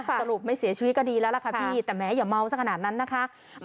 สรุปไม่เสียชีวิตก็ดีแล้วล่ะค่ะพี่แต่แม้อย่าเมาสักขนาดนั้นนะคะ